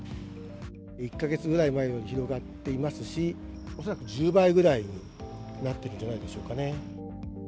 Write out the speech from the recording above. １か月ぐらい前より広がっていますし、恐らく１０倍ぐらいになってるんじゃないでしょうかね。